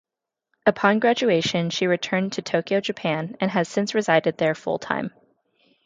Upon graduation, she returned to Tokyo, Japan, and has since resided there full-time.